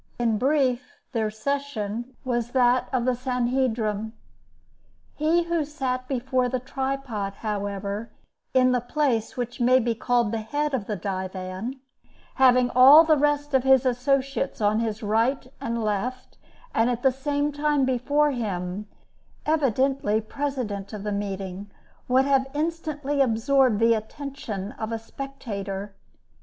In brief, their session was that of the Sanhedrim. He who sat before the tripod, however, in the place which may be called the head of the divan, having all the rest of his associates on his right and left, and, at the same time, before him, evidently president of the meeting, would have instantly absorbed the attention of a spectator.